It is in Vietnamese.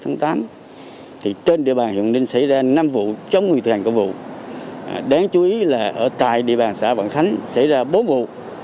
bốn người thực hành công vụ đáng chú ý là ở tại địa bàn xã vạn khánh xảy ra bốn vụ